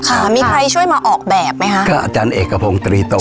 ค่ะมีใครช่วยมาออกแบบไหมคะพระอาจารย์เอกพงตรีตก